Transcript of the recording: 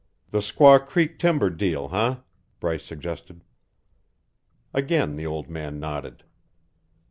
"The Squaw Creek timber deal, eh?" Bryce suggested. Again the old man nodded.